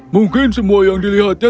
mungkin semua yang dilihatnya